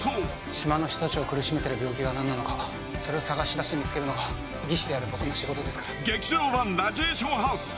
島の人たちを苦しめている病気が何なのかそれを探し出して見つけるのが技師である僕の仕事ですから。